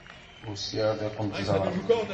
Usiɣ-d ad kent-ẓreɣ.